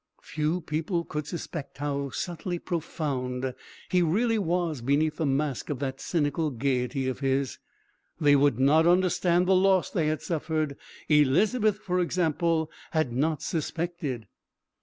Few people could suspect how subtly profound he really was beneath the mask of that cynical gaiety of his. They would not understand the loss they had suffered. Elizabeth, for example, had not suspected....